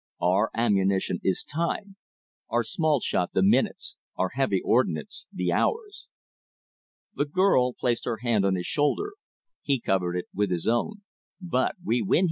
Our ammunition is Time; our small shot the minutes, our heavy ordnance the hours!" The girl placed her hand on his shoulder. He covered it with his own. "But we win!"